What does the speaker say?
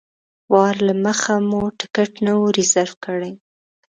وار له مخه مو ټکټ نه و ریزرف کړی.